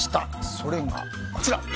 それがこちら。